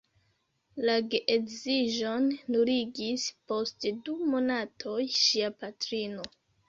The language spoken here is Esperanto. La geedziĝon nuligis post du monatoj ŝia patrino.